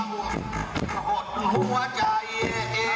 น้องไม่เคยรักใจคุกออกจากใจน้ำเลย